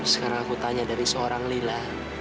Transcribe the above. sekarang aku tanya dari seorang lila